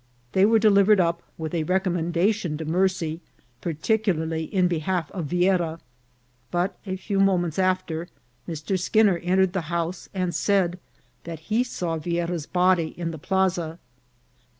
They were delivered up, with a recommendation to mercy, particularly in behalf of Viera ; but a few moments after Mr. Skinner entered the house, and said that he saw Viera' s body in the plaza.